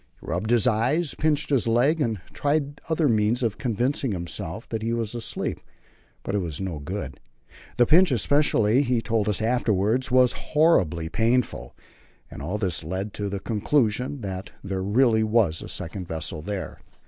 He rubbed his eyes, pinched his leg, and tried other means of convincing himself that he was asleep, but it was no good. The pinch especially, he told us afterwards, was horribly painful, and all this led him to the conclusion that there really was a second vessel there.